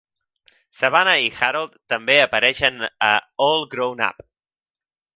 Savannah i Harold també apareixen a All Grown Up!